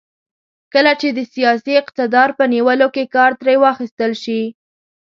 کله چې د سیاسي اقتدار په نیولو کې کار ترې واخیستل شي.